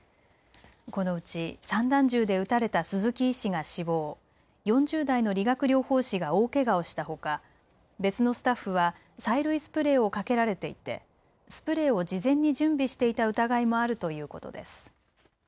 このうち、散弾銃で撃たれた鈴木医師が死亡、４０代の理学療法士が大けがをしたほか別のスタッフは催涙スプレーをかけられていて、スプレーを事前に準備していた疑いもあるということです。